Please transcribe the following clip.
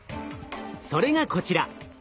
それがこちら。